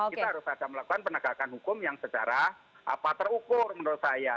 kita harus ada melakukan penegakan hukum yang secara terukur menurut saya